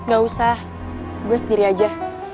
gak usah gue sendiri aja